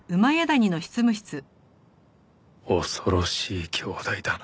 恐ろしい姉弟だな